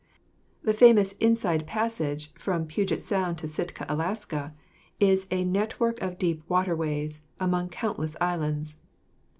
The famous "inside passage" from Puget Sound to Sitka, Alaska, is a network of deep waterways among countless islands.